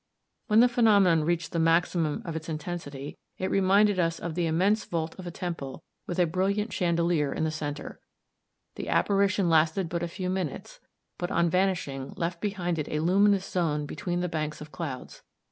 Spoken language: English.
When the phenomenon reached the maximum of its intensity, it reminded us of the immense vault of a temple, with a brilliant chandelier in the center. The apparition lasted but a few minutes, but, on vanishing, left behind it a luminous zone between the banks of clouds.